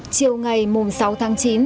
chiều ngày sáu tháng chín